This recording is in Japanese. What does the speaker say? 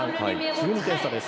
１２点差です。